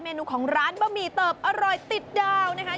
นูของร้านบะหมี่เติบอร่อยติดดาวนะคะ